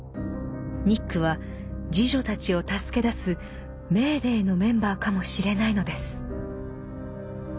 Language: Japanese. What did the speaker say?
ニックは侍女たちを助け出す「メーデー」のメンバーかもしれないのです。